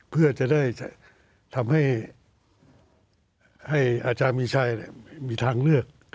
เพื่อจะได้ทำให้อาจารย์มีชัยมีทางเลือก